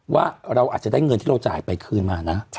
ว่าเราอาจจะได้เงินที่เราจ่ายไปคืนมานะ